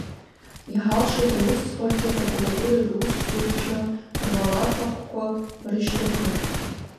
Иҳалшеит аусӡбарҭеи апрокуратуреи русзуҩцәа руалафахәқәа рышьҭыхра.